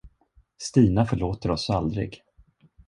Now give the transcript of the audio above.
Stina förlåter oss aldrig.